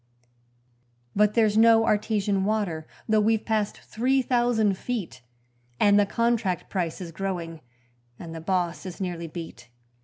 But there's no artesian water, though we've passed three thousand feet, And the contract price is growing and the boss is nearly beat.